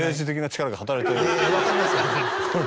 分かりますよ。